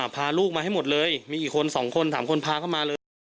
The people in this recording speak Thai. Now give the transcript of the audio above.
พาลูกมาให้หมดเลยมีอีกคน๒คน๓คนพาเข้ามาเลย